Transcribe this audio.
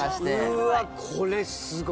うわこれすごい。